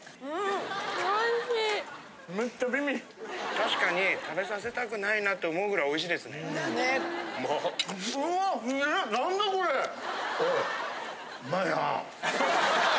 ・確かに食べさせたくないなって思うぐらいおいしいですね・うまっ！